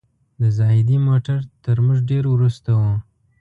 د زاهدي موټر تر موږ ډېر وروسته و.